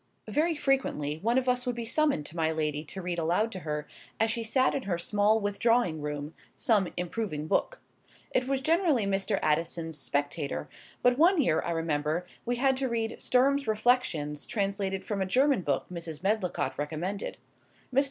Very frequently one of us would be summoned to my lady to read aloud to her, as she sat in her small withdrawing room, some improving book. It was generally Mr. Addison's "Spectator;" but one year, I remember, we had to read "Sturm's Reflections" translated from a German book Mrs. Medlicott recommended. Mr.